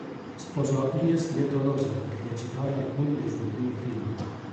Sposò Inés de Tolosa, che recitò in alcuni dei suoi primi film.